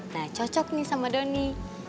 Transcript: nah cocok nih sama doni